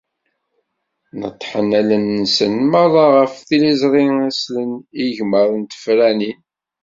Neṭṭḥen allen-nsen merra ɣer tiliẓri ad slen i igmaḍ n tefranin.